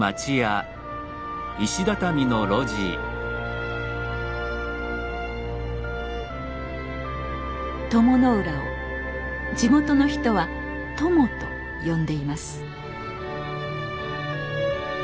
鞆の浦を地元の人は「鞆」と呼んでいます。